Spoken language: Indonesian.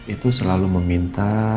itu selalu meminta